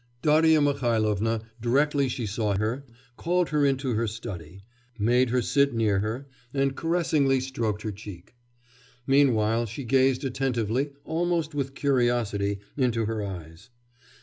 Darya Mihailovna, directly she saw her, called her into her study, made her sit near her, and caressingly stroked her cheek. Meanwhile she gazed attentively, almost with curiosity, into her eyes.